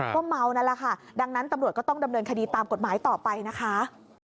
ก็เมานั่นแหละค่ะดังนั้นตำรวจก็ต้องดำเนินคดีตามกฎหมายต่อไปนะคะ